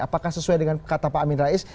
apakah sesuai dengan kata pak amin rais